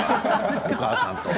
お母さんと。